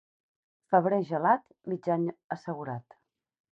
Febrer gelat, mig any assegurat.